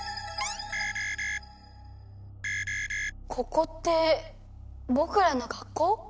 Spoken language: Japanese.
ここってぼくらの学校？